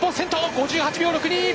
５８秒６２。